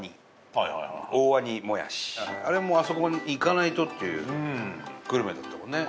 あれもあそこに行かないとっていうグルメだったもんね。